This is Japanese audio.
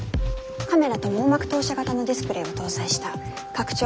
カメラと網膜投射型のディスプレーを搭載した拡張